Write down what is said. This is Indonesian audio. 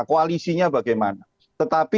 koalisinya bagaimana tetapi